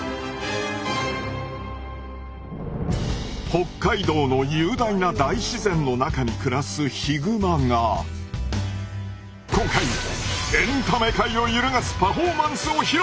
北海道の雄大な大自然の中に暮らすヒグマが今回エンタメ界を揺るがすパフォーマンスを披露！